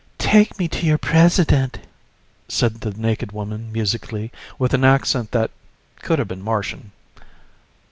"Take me to your President," said the naked woman musically, with an accent that could have been Martian.